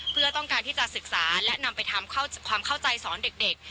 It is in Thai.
เพื่อต้องการที่จะศึกษาและนำไปทำความเข้าใจสอนเด็ก